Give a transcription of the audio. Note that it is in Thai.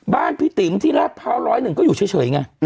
บ้านพี่ติ๋มที่รับภาวร้อยหนึ่งก็อยู่เฉยไง